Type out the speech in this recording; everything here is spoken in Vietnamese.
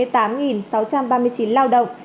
trên hai trăm bảy mươi tám sáu trăm ba mươi chín lao động